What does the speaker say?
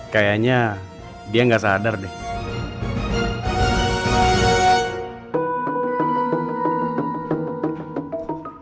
kayaknya dia nggak sadar deh